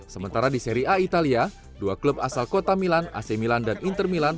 sementara di seri a italia dua klub asal kota milan ac milan dan inter milan